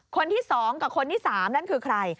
คนที่สองกับคนที่สามนั่นคือใคร